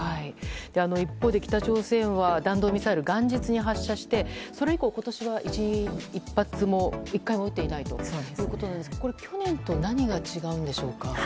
一方で北朝鮮は弾道ミサイルを元日に発射してそれ以降、今年は１回も撃っていないということですがこれは去年と何が違うんでしょうか。